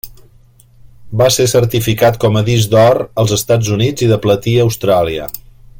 Va ser certificat com a disc d'or als Estats Units i de platí a Austràlia.